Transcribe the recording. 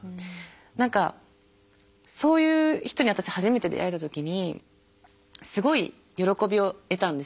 何かそういう人に私初めて出会えた時にすごい喜びを得たんですよ。